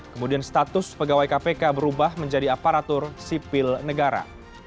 kemudian status pegawai kpk berubah menjadi aparatur sipil negara